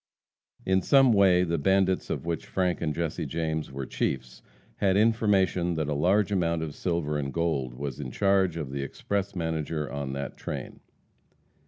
In some way the bandits, of which Frank and Jesse James were chiefs, had information that a large amount of silver and gold was in charge of the express messenger on that train.